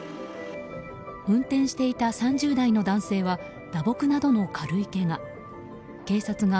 運転していた３０代の男性は打撲などの軽いけが。